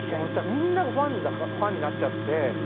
みんながファンになっちゃって。